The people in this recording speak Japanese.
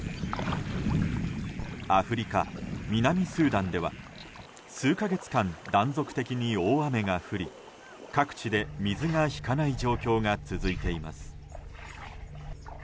アフリカ南スーダンでは数か月間、断続的に大雨が降り各地で水が引かない状況が続いています。